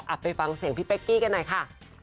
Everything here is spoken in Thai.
ไปฟังเสียงพี่เป๊กกี้กันหน่อยค่ะ